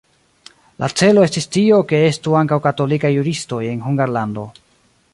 La celo estis tio, ke estu ankaŭ katolikaj juristoj en Hungarlando.